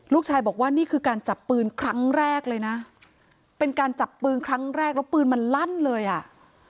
ลูกชายบอกว่านี่คือการจับปืนครั้งแรกเลยนะเป็นการจับปืนครั้งแรกแล้วปืนมันลั่นเลยอ่ะ